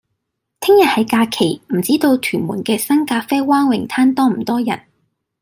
聽日係假期，唔知道屯門嘅新咖啡灣泳灘多唔多人？